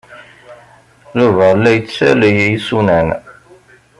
Yuba la yettaley isunan.